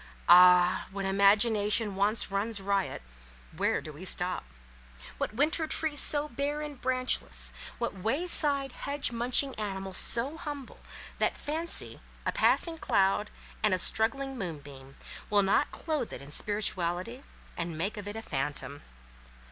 Ah! when imagination once runs riot where do we stop? What winter tree so bare and branchless—what way side, hedge munching animal so humble, that Fancy, a passing cloud, and a struggling moonbeam, will not clothe it in spirituality, and make of it a phantom?